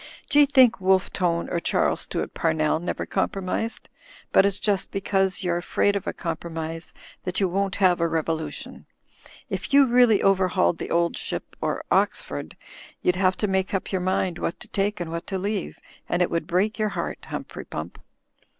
D'ye think Wolfe Tone or Charles Stuart Pamell never compromised? But it's jt|^Jtuu)3i^f;^U^^ you're THE SONGS OF THE CAR CLUB 187 afraid of a compromise that you won't have a revolu tion. If you really overhauled 'The Old Ship*— or Oxford — ^you'd have to make up your mind what to take and what to leave, and it would break your heart, Humphrey Pump."